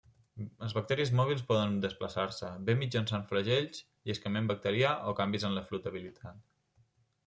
Els bacteris mòbils poden desplaçar-se, bé mitjançant flagels, lliscament bacterià, o canvis en la flotabilitat.